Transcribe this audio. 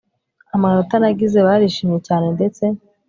amanota nagize barishimye cyane ndetse